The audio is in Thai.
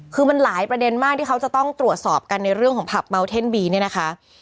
คือมันหลายประเด็นมากที่เขาจะต้องตรวจสอบกันในเรื่องของผับเมาเท่นบีเนี่ยนะคะ